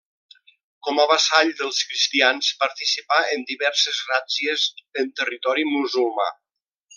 Com a vassall dels cristians, participà en diverses ràtzies en territori musulmà.